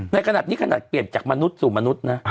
ในขณะนี้ขนาดเปรียบจากมนุษย์สู่มนุษย์นะ